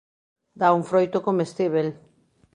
Dá un froito comestíbel.